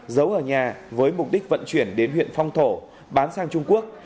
giấu ở nhà với mục đích vận chuyển đến huyện phong thổ bán sang trung quốc